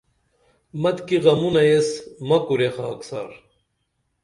مِتکی غمونہ ایس مہ کُریہ خاکسار